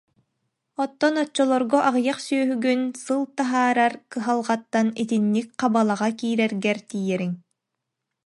Оттон оччолорго аҕыйах сүөһүгүн сыл таһаарар кыһалҕаттан итинник хабалаҕа киирэргэр тиийэриҥ